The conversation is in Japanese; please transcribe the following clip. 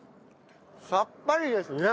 さっぱりですね。